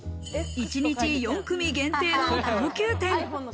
一日４組限定の高級店。